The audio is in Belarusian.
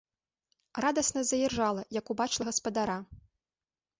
Радасна заіржала, як убачыла гаспадара.